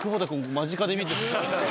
間近で見て。